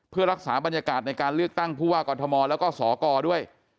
เพื่อรักษาบรรยากาศในการเลือกตั้งผู้ว่ากรทมแล้วก็สกด้วย